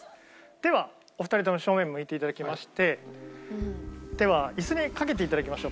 ではお二人とも正面向いていただきましてでは椅子にかけていただきましょうか。